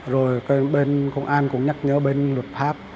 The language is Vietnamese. rồi bên công an cũng nhắc nhớ bên luật pháp